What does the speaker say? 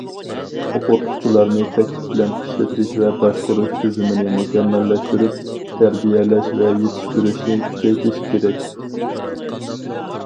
ئوقۇتقۇچىلارنى تەكلىپ بىلەن ئىشلىتىش ۋە باشقۇرۇش تۈزۈمىنى مۇكەممەللەشتۈرۈپ، تەربىيەلەش ۋە يېتىشتۈرۈشنى كۈچەيتىش كېرەك.